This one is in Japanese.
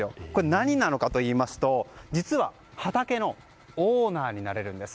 何なのかというと、実は畑のオーナーになれるんです。